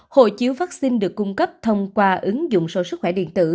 hộ chiếu vaccine được cung cấp thông qua ứng dụng số sức khỏe điện tử